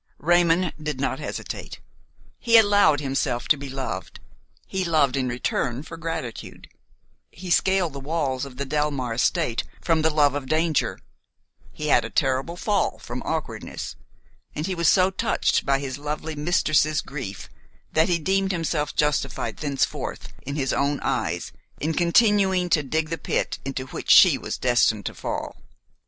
Raymon did not hesitate; he allowed himself to be loved, he loved in return for gratitude; he scaled the walls of the Delmare estate from the love of danger; he had a terrible fall from awkwardness; and he was so touched by his lovely mistress's grief that he deemed himself justified thenceforth in his own eyes in continuing to dig the pit into which she was destined to fall.